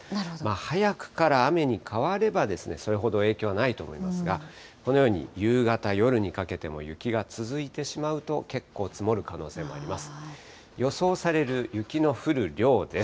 早くから雨に変われば、それほど影響はないと思いますが、このように夕方、夜にかけても雪が続いてしまうと、結構、積もる可能性もあります。